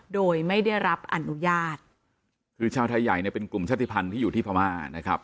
โดยไม่ได้รับอนุญาตคือชาวไทยใหญ่เนี่ยเป็นกลุ่มชาติภัณฑ์ที่อยู่ที่พม่านะครับ